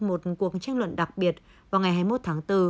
một cuộc tranh luận đặc biệt vào ngày hai mươi một tháng bốn